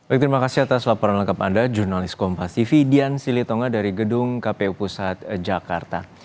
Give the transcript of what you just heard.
baik terima kasih atas laporan lengkap anda jurnalis kompasifi dian silitonga dari gedung kpu pusat jakarta